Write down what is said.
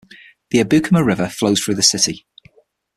The Abukuma River flows through the city.